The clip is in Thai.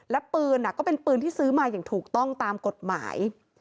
และปืนก็เป็นปืนที่ซื้อมาอย่างถูกต้องตามกฎหมาย